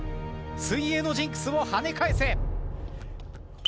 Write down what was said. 水泳のジンクスをはね返せ！